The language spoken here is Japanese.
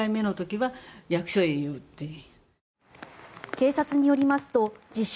警察によりますと自称